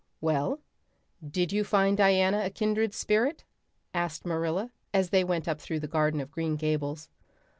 "Well, did you find Diana a kindred spirit?" asked Marilla as they went up through the garden of Green Gables.